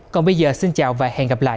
còn bây giờ xin chào và hẹn gặp lại